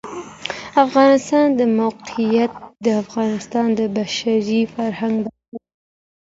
د افغانستان د موقعیت د افغانستان د بشري فرهنګ برخه ده.